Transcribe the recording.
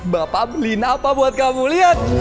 bapak beli napa buat kamu liat